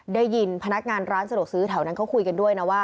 ได้ยินพนักงานร้านสะดวกซื้อแถวนั้นเขาคุยกันด้วยนะว่า